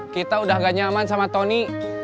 kita udah gak nyaman sama tony